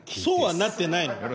そうはなってないの。